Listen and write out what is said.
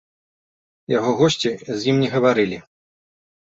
Яго госці з ім не гаварылі.